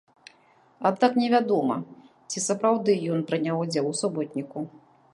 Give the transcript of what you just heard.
Аднак невядома, ці сапраўды ён прыняў удзел у суботніку.